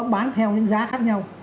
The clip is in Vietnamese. bán theo những giá khác nhau